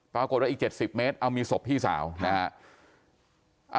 ปรากฏว่าอีก๗๐เมตรเอามีศพพี่สาวนะฮะ